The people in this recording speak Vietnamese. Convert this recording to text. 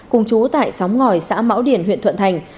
cùng chú tại sóng ngòi xã mão điển huyện thuận thành